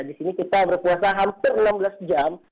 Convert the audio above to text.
di sini kita berpuasa hampir enam belas jam